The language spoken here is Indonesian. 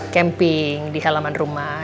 camping di halaman rumah